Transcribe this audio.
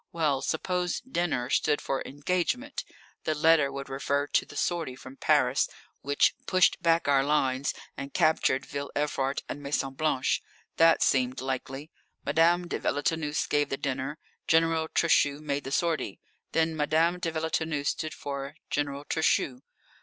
Well, suppose "dinner" stood for "engagement"! The letter would refer to the sortie from Paris which pushed back our lines and captured Ville Evrart and Maison Blanche. That seemed likely. Madame de Villetaneuse gave the dinner; General Trochu made the sortie. Then "Madame de Villetaneuse" stood for "General Trochu."